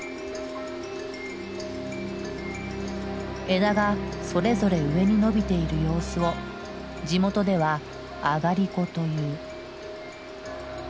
枝がそれぞれ上に伸びている様子を地元では「あがりこ」という。